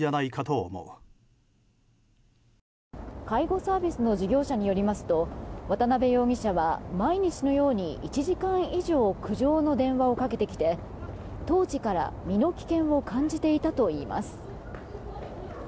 介護サービスの事業者によりますと渡辺容疑者は、毎日のように１時間以上苦情の電話をかけてきて当時から身の危険を感じていたといいます。